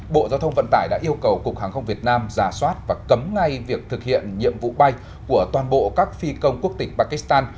bộ giao thông vận tải đã yêu cầu cục hàng không việt nam giả soát và cấm ngay việc thực hiện nhiệm vụ bay của toàn bộ các phi công quốc tịch pakistan